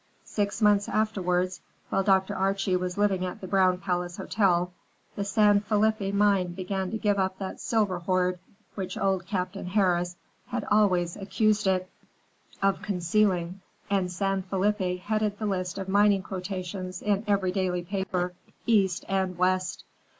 Six months afterward, while Dr. Archie was living at the Brown Palace Hotel, the San Felipe mine began to give up that silver hoard which old Captain Harris had always accused it of concealing, and San Felipe headed the list of mining quotations in every daily paper, East and West.